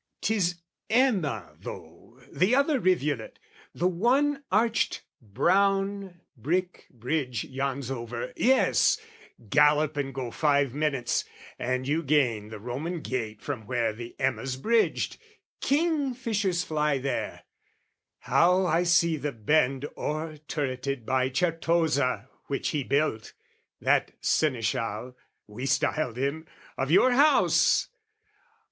'Tis Ema, though, the other rivulet, The one arched, brown brick bridge yawns over, yes, Gallop and go five minutes, and you gain The Roman Gate from where the Ema's bridged: Kingfishers fly there: how I see the bend O'erturreted by Certosa which he built, That Senescal (we styled him) of your House!